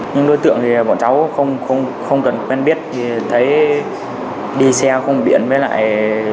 nhưng đối tượng thì bọn cháu không cần quen biết thì thấy đi xe không biển với lại